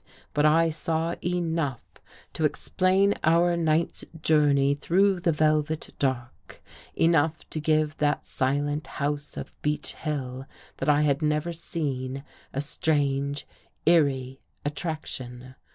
But I saw enough to explain our night's journey through the velvet dark — enough to give that silent house of Beech Hill that I had never seen, a strange, eerie attrac tion.